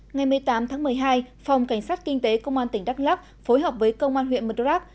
ngày một mươi tám tháng một mươi hai phòng cảnh sát kinh tế công an tỉnh đắk lắk phối hợp với công an huyện madarak